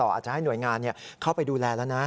อาจจะให้หน่วยงานเข้าไปดูแลแล้วนะ